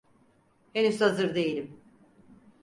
Henüz hazır değilim.